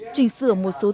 trình sửa một số tư duy